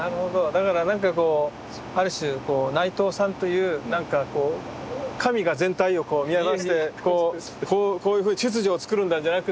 だからなんかこうある種内藤さんというなんかこう神が全体をこうこういうふうに秩序をつくるんだじゃなくって